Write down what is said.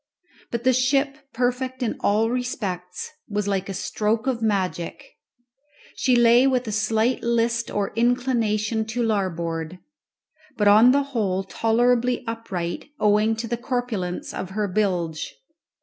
But the ship, perfect in all respects, was like a stroke of magic. She lay with a slight list or inclination to larboard, but on the whole tolerably upright, owing to the corpulence of her bilge.